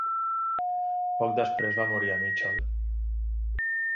Poc després, va morir a Mitchell.